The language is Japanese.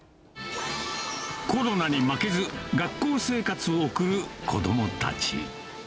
コロナに負けず、学校生活を送る子どもたち。